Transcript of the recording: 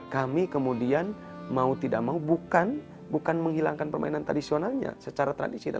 kami kemudian mau tidak mau bukan menghilangkan permainan tradisionalnya secara tradisional